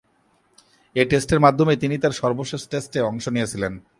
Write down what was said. এ টেস্টের মাধ্যমেই তিনি তার সর্বশেষ টেস্টে অংশ নিয়েছিলেন।